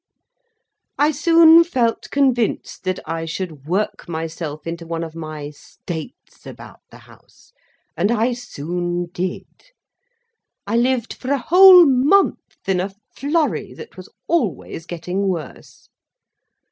I soon felt convinced that I should work myself into one of my states about the House; and I soon did. I lived for a whole month in a flurry, that was always getting worse.